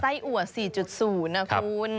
ไส้อั่ว๔๐นะคุณ